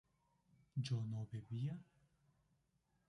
¿yo no bebía?